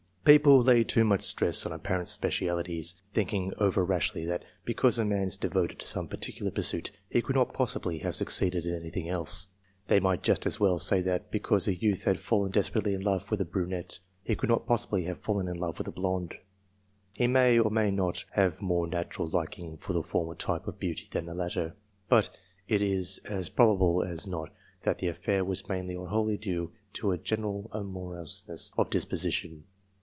People lay too much stress on apparent specialities, think ing over rashly that, because a man is devoted to some particular pursuit, he could not possibly have succeeded in anything else. They might just as well say that, because a youth had fallen desperately in love with a brunette, he could not possibly have fallen in love with a blonde. He may or may not have more natural liking for the former type of beauty than the latter, but it is as probable as not that the affair was mainly or wholly due to a general amorous ness of disposition.